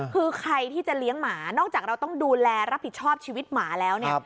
คือใครที่จะเลี้ยงหมานอกจากเราต้องดูแลรับผิดชอบชีวิตหมาแล้วเนี่ย